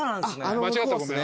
間違ってたらごめん。